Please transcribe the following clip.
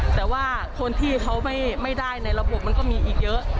แต่ว่าคนที่เขาไม่ได้ในระบบมันก็มีอีกเยอะ